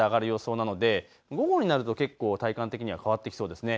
最高気温１３度くらいまで上がる予想なので午後になると結構、体感的には変わってきそうですね。